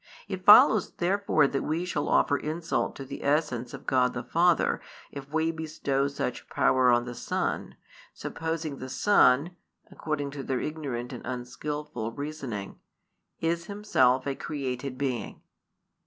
It follows therefore that we shall offer insult to the essence of God the Father if we bestow such power on the Son, supposing the Son (according to their |258 ignorant and unskilful reasoning) is Himself a created being.